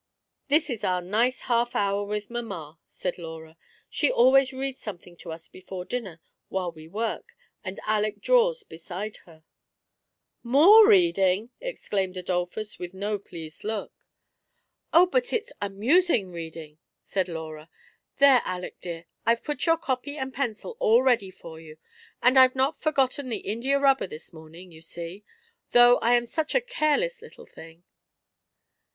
" This is our nice half hour with mamma," said Laura ;" she always reads something to us before dinner while we work, and Aleck draws beside her." *' More reading !" exclaimed Adolphus, with no pleased look. FIRST IMPRESSIONS. 23 " Oh, but it's amnsing reading !" said Laura. There, Aleck dear, I've put your copy and pencil all ready for you ; and I've not foi"gotten the India rubber thLs morning, you see, though I am such a careless little thing